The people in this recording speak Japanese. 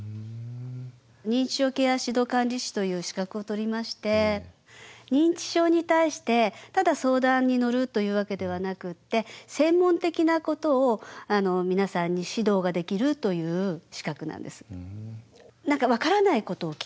認知症ケア指導管理士という資格を取りまして認知症に対してただ相談に乗るというわけではなくって専門的なことを皆さんに指導ができるという資格なんです。